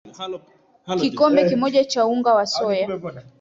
Kikombe moja cha unga wa soya